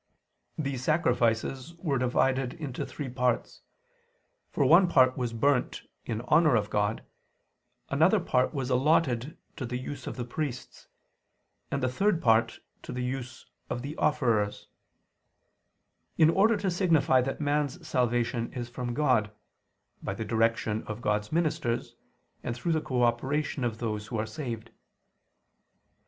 These sacrifices were divided into three parts: for one part was burnt in honor of God; another part was allotted to the use of the priests; and the third part to the use of the offerers; in order to signify that man's salvation is from God, by the direction of God's ministers, and through the cooperation of those who are saved.